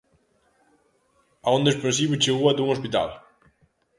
A onda expansiva chegou ata un hospital.